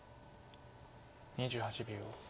２８秒。